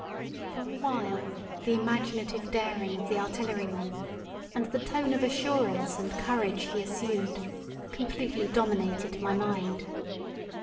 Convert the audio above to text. For a while the imaginative daring of the artilleryman, and the tone of assurance and courage he assumed, completely dominated my mind.